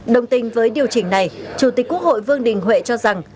đồng tình với điều chỉnh này chủ tịch quốc hội vương đình huệ cho rằng